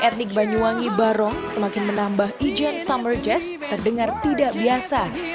etnik banyuwangi barong semakin menambah ijen summer jazz terdengar tidak biasa